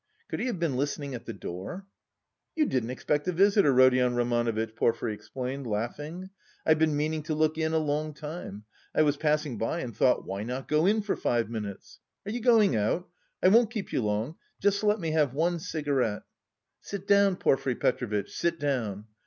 Could he have been listening at the door?" "You didn't expect a visitor, Rodion Romanovitch," Porfiry explained, laughing. "I've been meaning to look in a long time; I was passing by and thought why not go in for five minutes. Are you going out? I won't keep you long. Just let me have one cigarette." "Sit down, Porfiry Petrovitch, sit down."